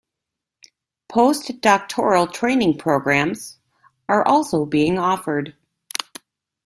Post doctoral training programmes are also being offered.